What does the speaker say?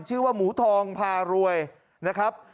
ชื่อว่าหมูทองพารวยนะครับ